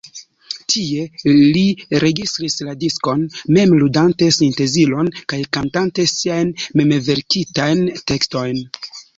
Tie li registris la diskon, mem ludante sintezilon kaj kantante siajn memverkitajn tekstojn.